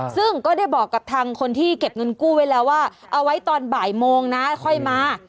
ซึ่งก็ได้บอกกับทางคนที่เก็บเงินกู้ไว้แล้วว่าเอาไว้ตอนบ่ายโมงนะค่อยมา